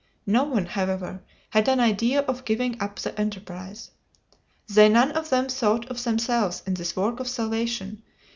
No one, however, had an idea of giving up the enterprise. They none of them thought of themselves in this work of salvation.